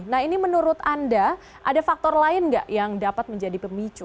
nah ini menurut anda ada faktor lain nggak yang dapat menjadi pemicu